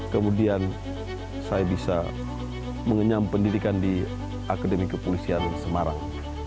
kemudian saya bisa mengenyam pendidikan di akademi kepolisian semarang